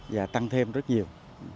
và tăng thêm rất nhiều